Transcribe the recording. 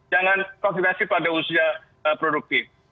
jangan vaksinasi pada usia produktif